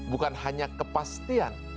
bukan hanya kepastian